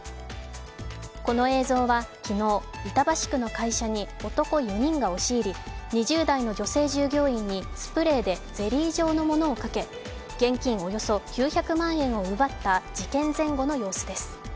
この映像は昨日、板橋区の会社に男４人が押し入り、２０代の女性従業員にスプレーでゼリー状のものをかけ、現金およそ９００万円を奪った事件前後の様子です。